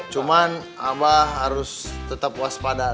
cuman abah harus tetap waspada